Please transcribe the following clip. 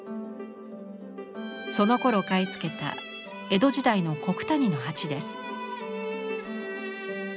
そのころ買い付けた江戸時代の古九谷の鉢です。